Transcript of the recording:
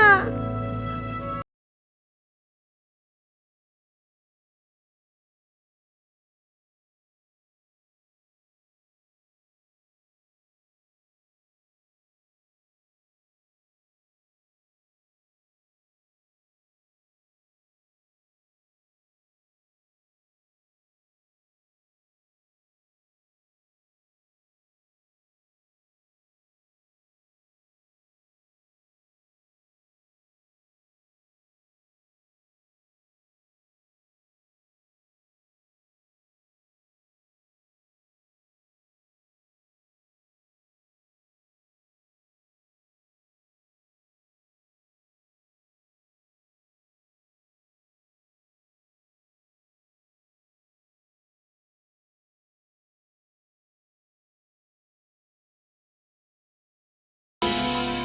oh ya tuhan